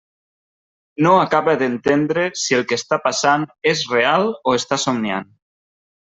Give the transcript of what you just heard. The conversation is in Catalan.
No acaba d'entendre si el que està passant és real o està somniant.